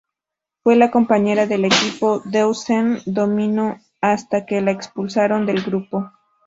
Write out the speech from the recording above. Fue la compañera del equipo Deuce 'n Domino, hasta que la expulsaron del grupo.